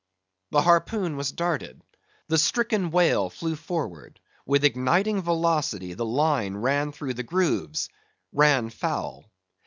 The harpoon was darted; the stricken whale flew forward; with igniting velocity the line ran through the grooves;—ran foul.